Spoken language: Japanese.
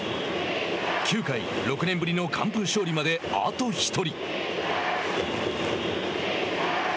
９回、６年ぶりの完封勝利まであと１人。